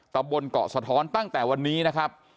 ตำบลเกาะสะท้อนตั้งแต่วันนี้นะครับ